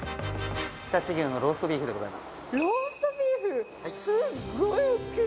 常陸牛のローストビーフでございます。